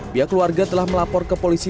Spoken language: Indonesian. pihak keluarga telah melapor ke polisi